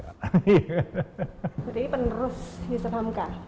jadi penerus yusuf hamka